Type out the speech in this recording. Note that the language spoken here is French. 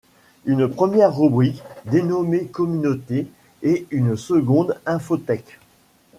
Une première rubrique dénommée Communauté et une seconde Infothek.